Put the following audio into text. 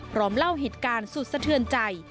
เล่าเหตุการณ์สุดสะเทือนใจ